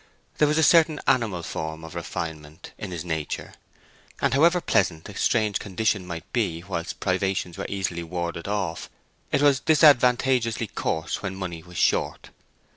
There was a certain animal form of refinement in his nature; and however pleasant a strange condition might be whilst privations were easily warded off, it was disadvantageously coarse when money was short.